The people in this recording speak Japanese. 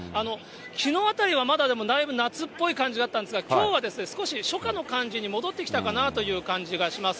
きのうあたりはまだだいぶ夏っぽい感じだったんですが、きょうはですね、少し初夏の感じに戻ってきたかなという感じがします。